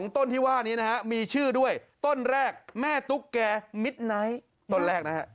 ตันแรกแม่ตุ๊กแกยมิดไนท์ตันแรกนะฮะ